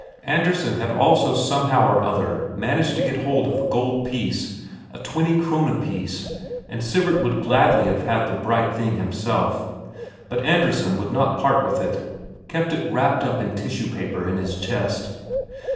Andresen had also somehow or other managed to get hold of a gold piece, a twenty Krone piece, and Sivert would gladly have had the bright thing himself; but Andresen would not part with it kept it wrapped up in tissue paper in his chest.